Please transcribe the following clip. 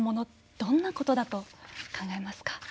どんなことだと考えますか。